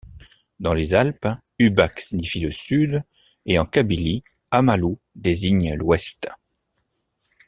Dans les Alpes, Ubac signifie le Sud et en Kabylie, Amalu désigne l'Ouest.